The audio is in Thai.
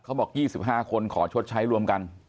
เขาบอก๒๕คนขอชดใช้รวมกัน